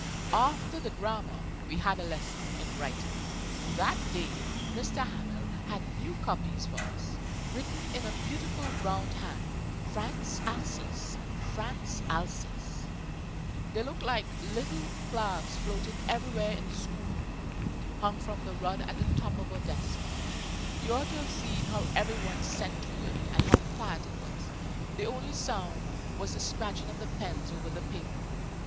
After the grammar, we had a lesson in writing. That day M. Hamel had new copies for us, written in a beautiful round hand: France, Alsace, France, Alsace. They looked like little flags floating everywhere in the school room, hung from the rod at the top of our desks. You ought to have seen how every one set to work, and how quiet it was! The only sound was the scratching of the pens over the paper.